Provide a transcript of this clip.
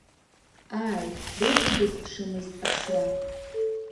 Ааи, Резо дазԥшымызт аԥсра.